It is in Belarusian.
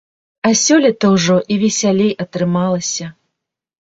А сёлета ўжо і весялей атрымалася.